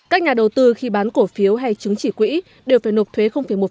các nhà đầu tư khi bán cổ phiếu hay chứng chỉ quỹ đều phải nộp thuế một